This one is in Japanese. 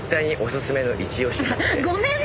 ごめんね！